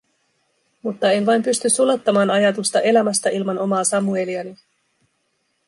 Mutta en vain pysty sulattamaan ajatusta elämästä ilman omaa Samueliani.